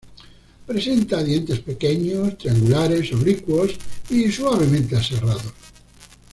Presenta dientes pequeños, triangulares, oblicuos y suavemente aserrados.